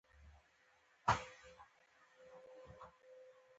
غرمه د زړونو د نرمښت لپاره وخت دی